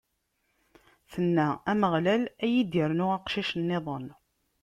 Tenna: Ameɣlal ad yi-d-irnu aqcic-nniḍen!